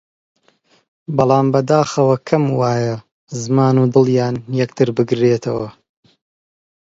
بەڵام بەداخەوە کەم وایە زمان و دڵیان یەکتر بگرێتەوە!